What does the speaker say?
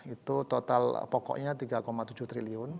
itu total pokoknya rp tiga tujuh triliun